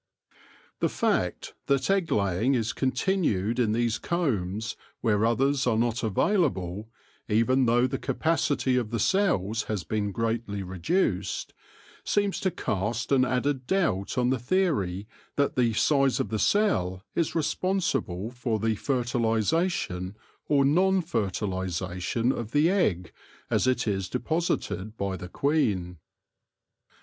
The fact that egg laying is continued in these combs where others are not available, even though the capacity of the cells has been greatly reduced, seems to cast an added doubt on the theory that the size of the cell is responsible for the fertilisation or non fertilization of the egg as it is deposited by the queen.